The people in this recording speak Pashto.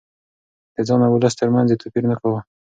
د ځان او ولس ترمنځ يې توپير نه کاوه.